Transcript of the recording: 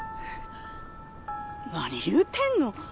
なに言うてんの？